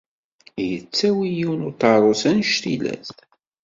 Yettawi yiwen uṭarus annect-ilat.